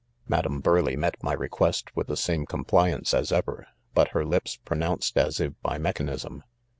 Madam Burleigh met nay request with the same eompliance as ever, hut her lips pro nounced as if by mechanism.